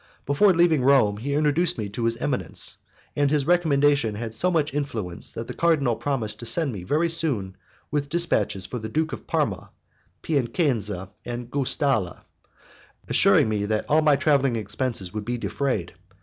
Before leaving Rome, he introduced me to his eminence, and his recommendation had so much influence that the cardinal promised to send me very soon with dispatches for the Duke of Parma, Piacenza, and Guastalla, assuring me that all my travelling expenses would be defrayed.